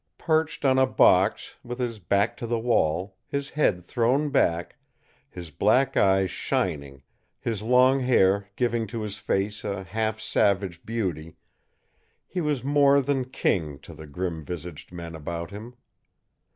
Perched on a box, with his back to the wall, his head thrown back, his black eyes shining, his long hair giving to his face a half savage beauty, he was more than king to the grim visaged men about him.